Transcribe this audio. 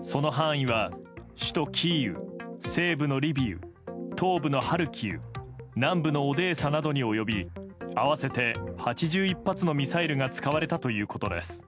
その範囲は首都キーウ、西部のリビウ東部のハルキウ南部のオデーサなどに及び合わせて８１発のミサイルが使われたということです。